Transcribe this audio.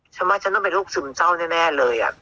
ฉันว่าฉันต้องเป็นโรคซึมเศร้าแน่เลย